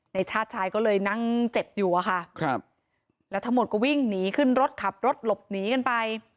ชาติชายก็เลยนั่งเจ็บอยู่อะค่ะครับแล้วทั้งหมดก็วิ่งหนีขึ้นรถขับรถหลบหนีกันไป